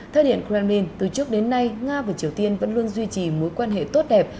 theo điện kremlin từ trước đến nay nga và triều tiên vẫn luôn duy trì mối quan hệ tốt đẹp